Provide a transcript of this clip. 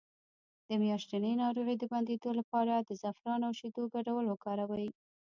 د میاشتنۍ ناروغۍ د بندیدو لپاره د زعفران او شیدو ګډول وکاروئ